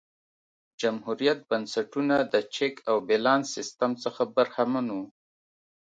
جمهوريت بنسټونه د چک او بیلانس سیستم څخه برخمن وو.